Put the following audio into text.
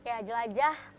setelah menjelajahi pulau